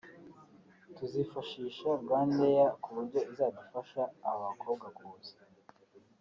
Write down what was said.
tuzifashisha Rwandair ku buryo izadufasha abo bakobwa kuza